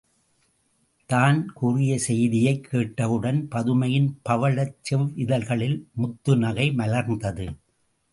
தான் கூறிய செய்தியைக் கேட்டவுடன் பதுமையின் பவழச் செவ்விதழ்களில் முத்துநகை மலர்ந்தது.